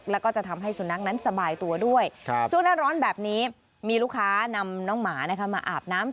แล้วก็จะทำให้สุนัขนั้นสบายตัวด้วยช่วงหน้าร้อนแบบนี้มีลูกค้านำน้องหมานะคะมาอาบน้ำ